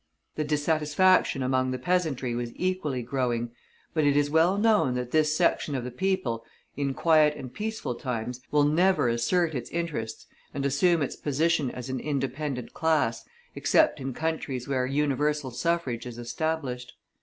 The dissatisfaction among the peasantry was equally growing, but it is well known that this section of the people, in quiet and peaceful times, will never assert its interests and assume its position as an independent class, except in countries where universal suffrage is established.